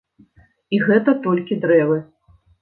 І гэта толькі дрэвы.